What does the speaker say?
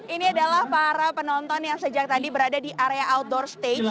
ini adalah para penonton yang sejak tadi berada di area outdoor stage